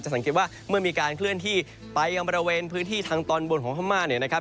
สังเกตว่าเมื่อมีการเคลื่อนที่ไปยังบริเวณพื้นที่ทางตอนบนของพม่าเนี่ยนะครับ